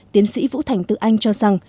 tiến sĩ vũ thành từ anh cho rằng